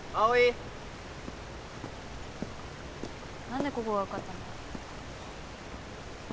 なんでここがわかったの？